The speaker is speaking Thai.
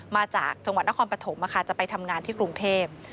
มาจากจังหวัดนครปฐมจะไปทำงานที่กรุงเทพ